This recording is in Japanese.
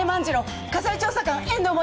『火災調査官遠藤萌』